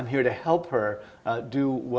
saya datang untuk membantu dia